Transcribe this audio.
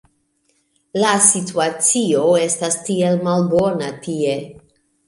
la situacio estas tiel malbona tie